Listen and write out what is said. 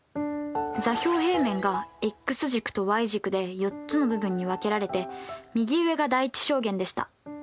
座標平面がｘ軸とｙ軸で４つの部分に分けられて右上が第１象限でした。